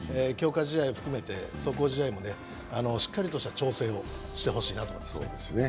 試合含めて壮行試合もしっかりとした調整をしてほしいなと思います。